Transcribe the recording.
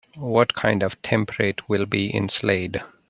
What kind of temperate will be in Slade?